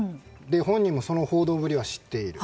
で、本人もその報道ぶりは知っている。